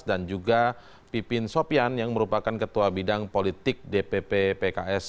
dan juga pipin sopyan yang merupakan ketua bidang politik dpp pks